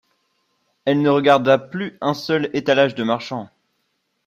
Elle ne regarda plus un seul étalage de marchand.